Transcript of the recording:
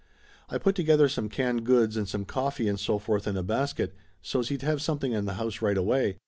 I put together some canned goods and some coffee and so forth in a basket, so's he'd have something in the house right away.